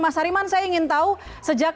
mas hariman saya ingin tahu sejak